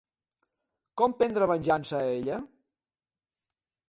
Com prendre venjança ella?